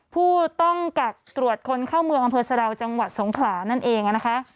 ผู้ต้องกักตรวจคนเข้าเมืองอำเภอสะดาวจังหวัดสงขลานั่นเองนะคะ